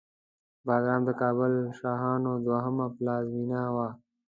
بګرام د کابل شاهانو دوهمه پلازمېنه وه